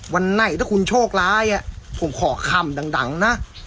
วันไหนถ้าคุณโชคร้ายผมขอคำดังนะ